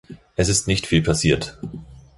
Es ist nicht viel passiert.